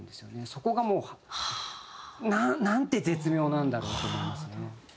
そこがもうなんて絶妙なんだろうと思いますね。